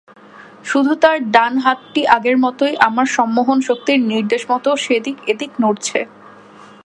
শুধু তার ডান হাতটি আগের মতোই আমার সম্মোহন-শক্তির নির্দেশমতো এদিক-সেদিক নড়ছে।